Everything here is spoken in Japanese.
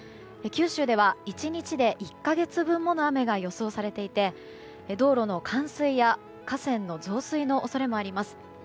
九州では１日で１か月分もの雨が予想されていて、道路の冠水や河川の増水の恐れもあります。